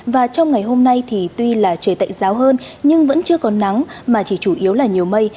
và trong ngày hôm nay thì tuy là trời tạnh giáo hơn nhưng vẫn chưa có nắng mà chỉ chủ yếu là nhiều mây